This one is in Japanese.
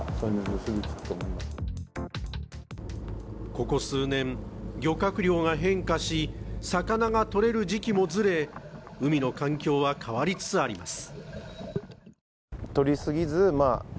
ここ数年、漁獲量が変化し、魚が獲れる時期もずれ、海の環境は変わりつつあります。